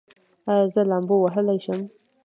ایا زه لامبو وهلی شم؟